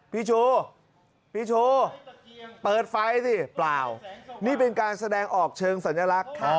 พี่ชูพี่ชูเปิดไฟสิเปล่านี่เป็นการแสดงออกเชิงสัญลักษณ์